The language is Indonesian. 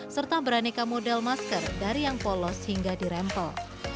serta beraneka model masker dari yang polos hingga dirempel